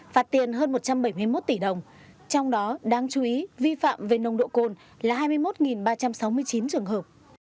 phạt tiền hơn một trăm bảy mươi một tỷ đồng trong đó đáng chú ý vi phạm về nồng độ cồn là hai mươi một ba trăm sáu mươi chín trường hợp